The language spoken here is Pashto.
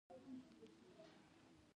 چارمغز د بدن عضلات قوي کوي.